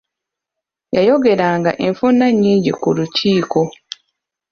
Yayogeranga enfunda nnyingi ku Lukiiko.